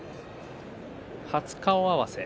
初顔合わせ。